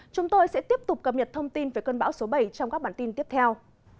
chúng tôi sẽ tiếp tục cập nhật thông tin về cơn bão số bảy trong các bản tin tiếp theo